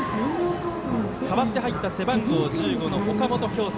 代わって入った背番号１５の岡本京介。